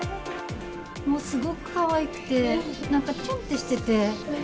もうすごくかわいくて、なんか、ちゅんってしてて。